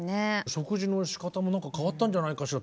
「食事のしかたも変わったんじゃないかしら」